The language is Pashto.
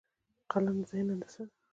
قلم د ذهن هندسه ده